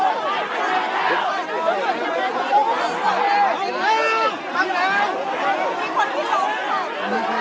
อ่าพี่ไปเขาให้